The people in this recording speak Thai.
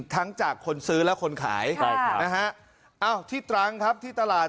ทั้งจากคนซื้อและคนขายใช่ค่ะนะฮะเอ้าที่ตรังครับที่ตลาด